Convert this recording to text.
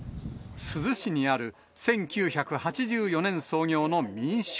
珠洲市にある１９８４年創業の民宿。